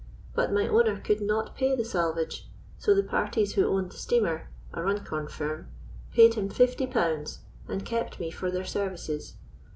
But my owner could not pay the salvage; so the parties who owned the steamer a Runcorn firm paid him fifty pounds and kept me for their services.